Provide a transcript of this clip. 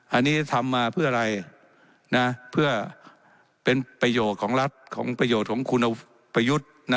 อันนี้ทำมาเพื่ออะไรนะเพื่อเป็นประโยชน์ของรัฐของประโยชน์ของคุณประยุทธ์